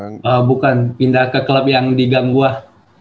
yang bukan pindah ke klub yang digangguah